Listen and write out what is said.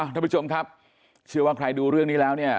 ท่านผู้ชมครับเชื่อว่าใครดูเรื่องนี้แล้วเนี่ย